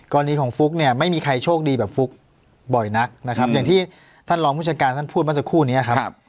กรณีของฟุ๊กเนี่ยไม่มีใครโชคดีแบบฟุ๊กบ่อยนักนะครับอย่างที่ท่านรองผู้จัดการท่านพูดมาสักครู่นี้ครับ